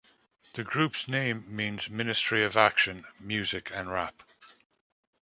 The group's name means 'ministry of action, music and rap'.